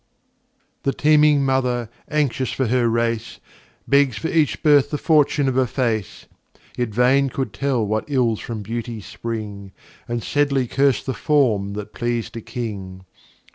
The[m] teeming Mother, anxious for her Race, Begs for each Birth the Fortune of a Face: Yet Vane could tell what Ills from Beauty spring; And Sedley curs'd the Form that pleas'd a King.